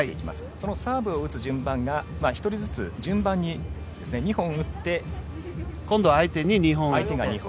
そのサーブを打つ順番が１人ずつ順番に２本打って今度は相手が２本。